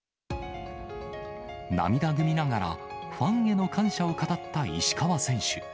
涙ぐみながら、ファンへの感謝を語った石川選手。